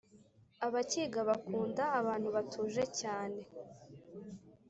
abakiga bakunda abantu batuje cyane